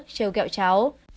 trêu kẹo cháu